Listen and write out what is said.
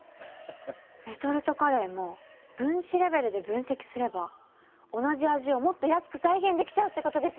レトルトカレーも分子レベルで分析すれば同じ味をもっと安く再現できちゃうってことですよね？